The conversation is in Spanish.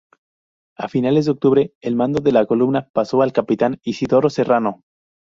A finales de octubre el mando de la columna pasó al capitán Isidoro Serrano.